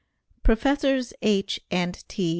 PROFESSORS H. AND T.